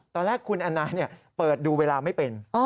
ตอนแรกคุณแอนนาเปิดดูเวลาไม่เป็น